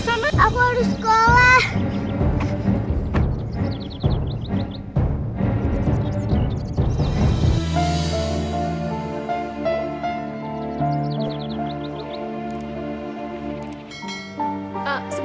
pak karta tolong aku